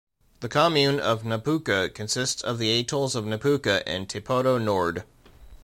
The commune of Napuka consists of the atolls of Napuka and Tepoto Nord.